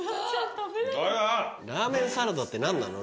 ラーメンサラダって何なの？